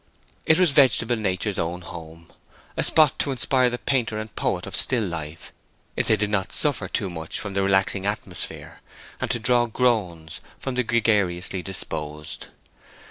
It was vegetable nature's own home; a spot to inspire the painter and poet of still life—if they did not suffer too much from the relaxing atmosphere—and to draw groans from the gregariously disposed.